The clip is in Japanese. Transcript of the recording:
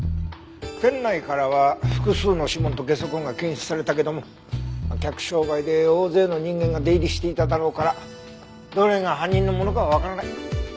店内からは複数の指紋とゲソ痕が検出がされたけども客商売で大勢の人間が出入りしていただろうからどれが犯人のものかはわからない。